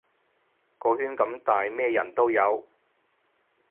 個圈咁大咩人都有